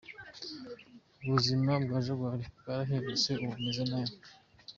Ubuzima bwa Jaguar bwarahindutse ubu ameze neza.